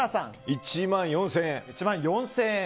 １万４０００円。